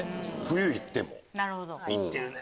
冬行っても。